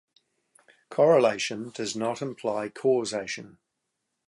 Correlation does not imply causation.